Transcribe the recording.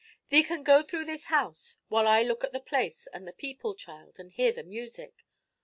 'Thee can go through this house while I look at the place and the people, child, and hear the music.